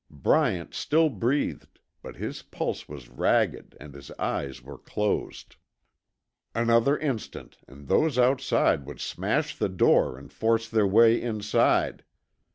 Bryant still breathed, but his pulse was ragged and his eyes were closed. Another instant and those outside would smash the door and force their way inside.